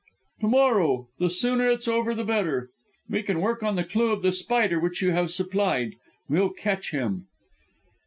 "To morrow; the sooner it's over the better. We can work on the clue of The Spider which you have supplied. We'll catch him."